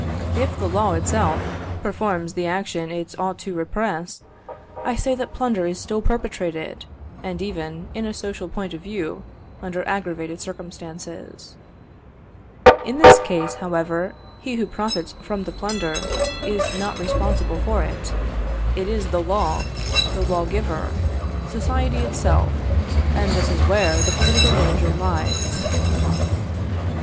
If the law itself performs the action it ought to repress, I say that plunder is still perpetrated, and even, in a social point of view, under aggravated circumstances. In this case, however, he who profits from the plunder is not responsible for it; it is the law, the lawgiver, society itself, and this is where the political danger lies.